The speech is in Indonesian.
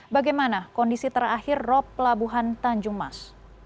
bagaimana kondisi terakhir rop pelabuhan tanjung mas